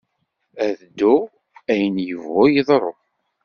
Ad dduɣ, ayen yebɣun yeḍru.